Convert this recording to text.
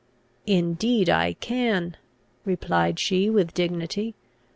"Indeed I can," replied she with dignity.